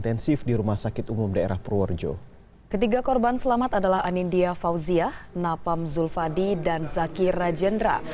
ketiga korban selamat adalah anindya fauziah napam zulfadi dan zaki rajendra